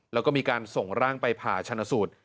แล้วก็มีการส่งร่างไปผ่าชนะสูตร